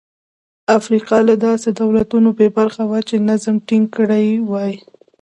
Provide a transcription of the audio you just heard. افریقا له داسې دولتونو بې برخې وه چې نظم ټینګ کړي وای.